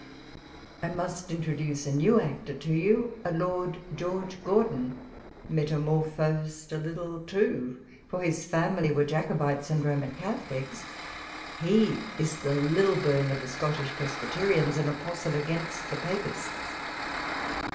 I must introduce a new actor to you, a Lord George Gordon, — metamorphosed a little, too. walpole's letters. 175 for his family were Jacobites and Roman Catho lics : he is the Lilburne of the Scottish Presby terians, and an apostle against the Papists.